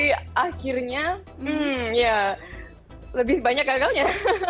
tapi akhirnya ya lebih banyak gagalnya